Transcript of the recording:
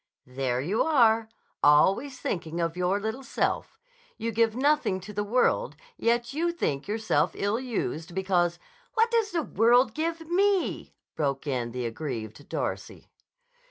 "There you are! Always thinking of your little self. You give nothing to the world, yet you think yourself ill used because—" "What does the world give me?" broke in the aggrieved Darcy.